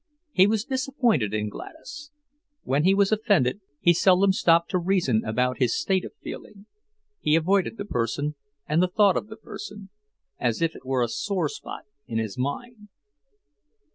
He was disappointed in Gladys. When he was offended, he seldom stopped to reason about his state of feeling. He avoided the person and the thought of the person, as if it were a sore spot in his mind.